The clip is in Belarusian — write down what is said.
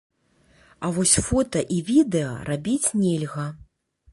А вось фота і відэа рабіць нельга.